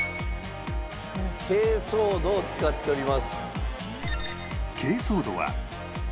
珪藻土を使っております。